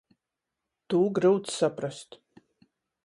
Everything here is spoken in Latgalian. Tū gryuts saprast.